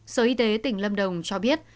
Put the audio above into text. sở y tế tỉnh lâm đồng cho biết